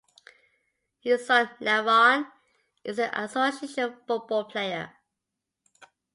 His son Levon is an association football player.